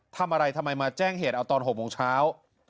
ทำอะไรทำไมมาแจ้งเหตุเอาตอน๖โมงเช้า